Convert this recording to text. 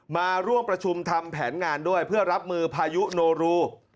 มาร่วมประชุมทำแผนงานด้วยเพื่อรับมือพายุโนรู